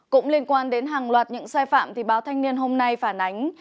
cũng liên quan đến hàng loạt những sai phạm thì báo thanh niên hôm nay phản ánh